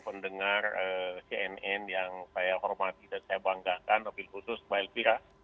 pendengar cnn yang saya hormati dan saya banggakan mobil khusus mbak elvira